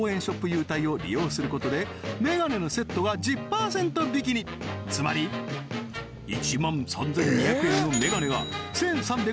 優待を利用することでメガネのセットが１０％引きにつまり１万３２００円のメガネが１３２０円